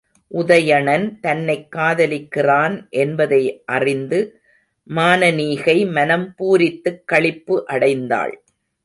உதயணன் தன்னைக் காதலிக்கிறான் என்பதை அறிந்து மானனீகை மனம் பூரித்துக் களிப்பு அடைந்தாள்.